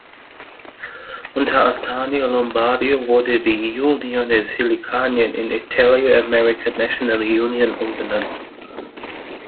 Unter Antonio Lombardo wurde die "Unione Siciliana" in Italo-American National Union umbenannt.